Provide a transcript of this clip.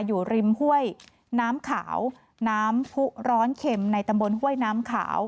อยู่ริมห้วยน้ำขาวน้ำผู้ร้อนเข็มในตำบลห้วยน้ำขาว